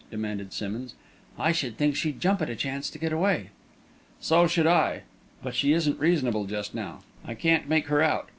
demanded Simmonds. "I should think she'd jump at a chance to get away." "So should I but she isn't reasonable, just now. I can't make her out.